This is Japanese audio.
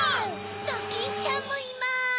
ドキンちゃんもいます。